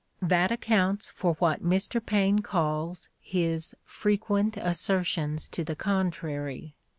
That accounts for what Mr. Paine calls his "frequent assertions to the contrary."